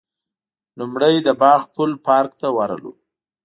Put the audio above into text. لومړی د باغ پل پارک ته ورغلو.